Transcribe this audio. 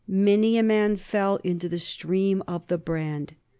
Many a man fell into the stream of the brand.